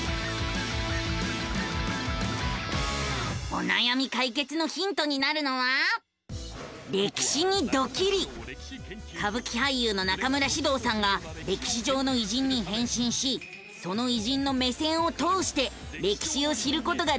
おなやみ解決のヒントになるのは歌舞伎俳優の中村獅童さんが歴史上の偉人に変身しその偉人の目線を通して歴史を知ることができる番組なのさ！